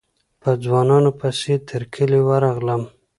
په ځوانانو پسې تر کلي ورغلم.